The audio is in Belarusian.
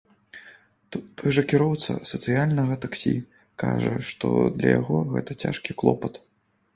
Той жа кіроўца сацыяльнага таксі кажа, што для яго гэта цяжкі клопат.